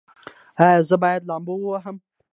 ایا زه باید لامبو ووهم؟